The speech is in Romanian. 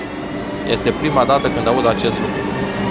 Este prima dată când aud acest lucru.